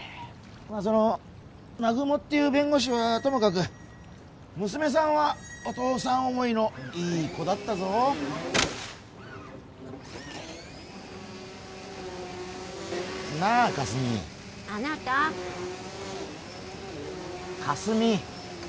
その南雲っていう弁護士はともかく娘さんはお父さん思いのいい子だったぞなあかすみあなたかすみ！